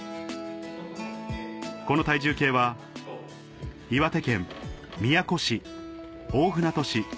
この体重計は岩手県宮古市大船渡市